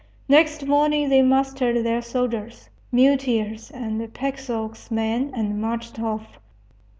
Next morning they mustered their soldiers, muleteers, and pack ox men and marched off.